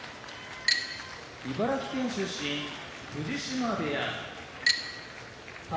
茨城県出身藤島部屋宝